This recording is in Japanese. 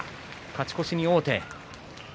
勝ち越しに王手。